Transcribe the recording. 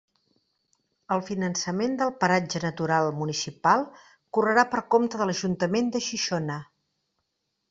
El finançament del Paratge Natural Municipal correrà per compte de l'Ajuntament de Xixona.